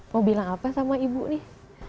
mau bilang apa sama ibu nih